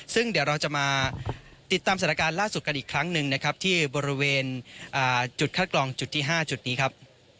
ซึ่งเดี๋ยวเราจะมาติดตามสถานการณ์ล่าสุดกันอีกครั้งหนึ่งนะครับที่บริเวณจุดคัดกรองจุดที่๕จุดนี้ครับ